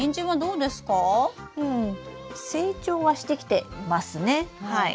うん成長はしてきていますねはい。